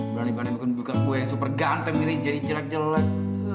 berani pada bukan bukaan gue yang super ganteng ini jadi jelek jelek